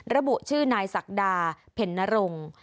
ระบุชื่อนายศักดาเพ็ญนรงค์